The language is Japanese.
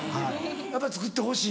やっぱりつくってほしい？